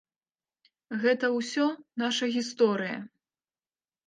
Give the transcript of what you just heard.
Гэта ўсё наша гісторыя.